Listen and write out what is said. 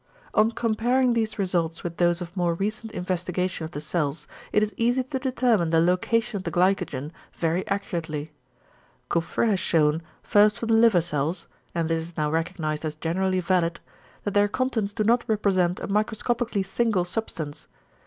"On comparing these results with those of more recent investigation of the cells, it is easy to determine the location of the glycogen very accurately. Kupffer has shewn, first for the liver cells and this is now recognised as generally valid that their contents do not represent a microscopically single substance.